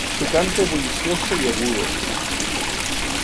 Su canto es bullicioso y agudo.